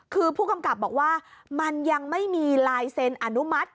คือผู้กำกับบอกว่ามันยังไม่มีลายเซ็นอนุมัติ